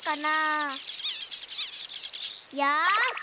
よし！